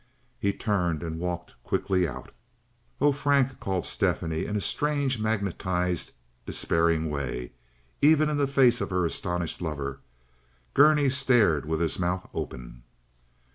He turned and walked quickly out. "Oh, Frank," called Stephanie, in a strange, magnetized, despairing way, even in the face of her astonished lover. Gurney stared with his mouth open.